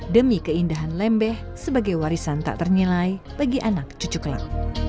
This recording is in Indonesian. demi keindahan lembeh sebagai warisan tak ternilai bagi anak cucu kelak